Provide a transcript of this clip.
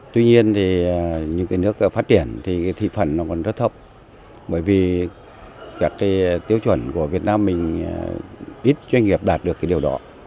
tuy nhiên thì những cái nước phát triển thì thị phần nó còn rất thấp bởi vì các cái tiêu chuẩn của việt nam mình ít doanh nghiệp đạt được cái điều đó